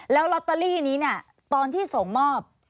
แล้วลอตเตอรี่นี้เนี่ยตอนที่ส่งมอบ